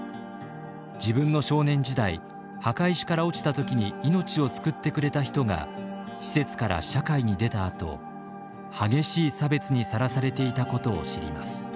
自分の少年時代墓石から落ちた時に命を救ってくれた人が施設から社会に出たあと激しい差別にさらされていたことを知ります。